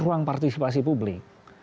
ruang partisipasi publik